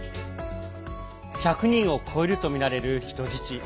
１００人を超えるとみられる人質。